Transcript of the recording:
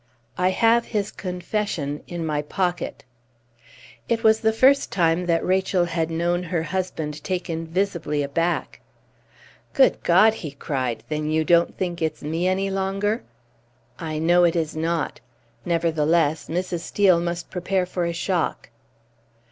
"I have his confession in my pocket." It was the first time that Rachel had known her husband taken visibly aback. "Good God!" he cried. "Then you don't think it's me any longer?" "I know it is not. Nevertheless, Mrs. Steel must prepare for a shock."